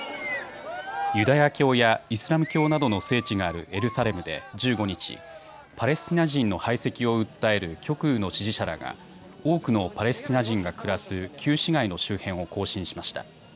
ユダヤ教やイスラム教などの聖地があるエルサレムで１５日、パレスチナ人の排斥を訴える極右の支持者らが多くのパレスチナ人が暮らす旧市街の周辺を行進しました。